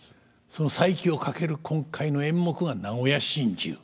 その再起をかける今回の演目が「名古屋心中」。